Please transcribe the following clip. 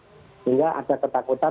sehingga ada ketakutan